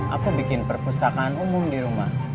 aku bikin perpustakaan umum di rumah